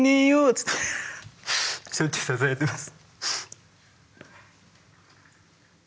つってしょっちゅうささやいてます。